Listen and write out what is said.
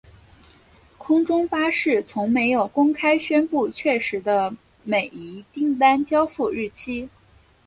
空中巴士从没有公开宣布确实的每一订单交付日期。